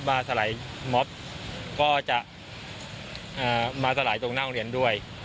สลายมอบก็จะมาสลายตรงหน้าโรงเรียนด้วย